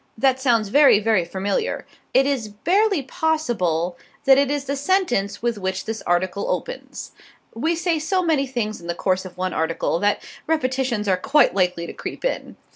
(That sounds very, very familiar. It is barely possible that it is the sentence with which this article opens. We say so many things in the course of one article that repetitions are quite likely to creep in).